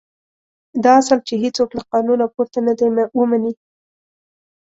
دا اصل چې هېڅوک له قانونه پورته نه دی ومني.